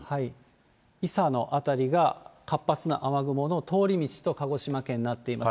伊佐の辺りが活発な雨雲の通り道と、鹿児島県なっています。